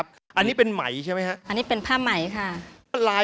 ๘๐๐บาทค่ะ